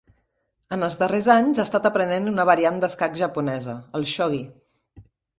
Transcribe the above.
En els darrers anys, ha estat aprenent una variant d'escac japonesa, el shogi.